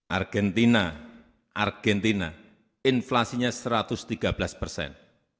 argentina argentina inflasinya satu ratus tiga belas persen